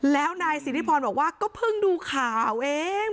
แล้วนายสิทธิพรบอกว่าก็เพิ่งดูข่าวเอง